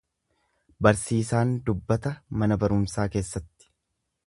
Barsiisaan dubbata mana barumsaa keessatti.